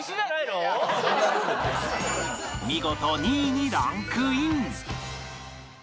見事２位にランクイン